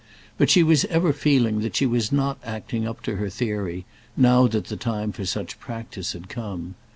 But she was ever feeling that she was not acting up to her theory, now that the time for such practice had come.